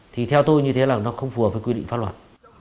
thì theo tôi như thế là nó không phù hợp với quy định pháp luật